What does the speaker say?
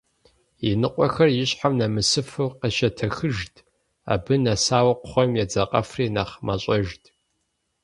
Иныкъуэхэр ищхьэм нэмысыфу къещэтэхыжт, абы нэсауэ кхъуейм едзакъэфри нэхъ мащӀэжт.